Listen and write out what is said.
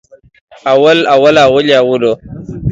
اول، اوله، اولې، اولو